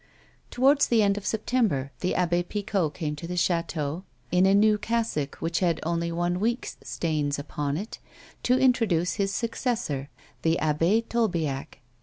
Towards the end of September the Ahh& Picot came to the chateau, in a new cassock which had only one week's stains upon it, to introduce his successor, the Abbe Tolbiac.